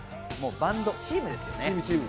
バンド、チームですよね。